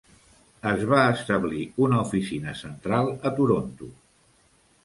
Es va establir una oficina central a Toronto.